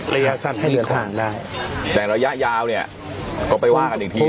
ระยะสัตว์มีข้างได้แต่ระยะยาวเนี้ยก็ไปว่ากันอีกทีหนึ่ง